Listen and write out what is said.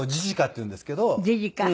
ジジカ？